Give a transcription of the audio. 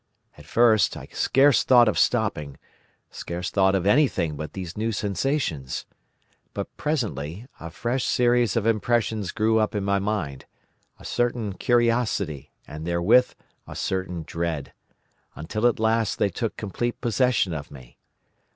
At first I scarce thought of stopping, scarce thought of anything but these new sensations. But presently a fresh series of impressions grew up in my mind—a certain curiosity and therewith a certain dread—until at last they took complete possession of me.